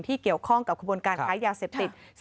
เกี่ยวข้องกับขบวนการค้ายาเสพติด